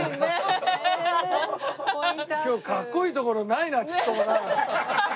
今日格好いいところないなちっともな。